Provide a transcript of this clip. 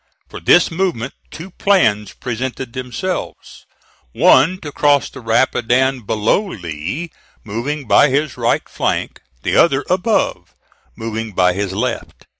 For his movement two plans presented themselves: One to cross the Rapidan below Lee, moving by his right flank; the other above, moving by his left.